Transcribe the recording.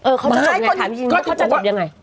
เออเค้าจะจบไงถามจริงจะจบยังไง